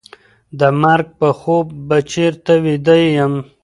د مرګ په خوب به چېرته ویده یم